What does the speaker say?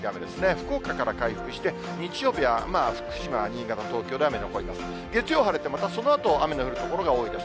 福岡から回復して、日曜日は福島、新潟、東京で雨残ります。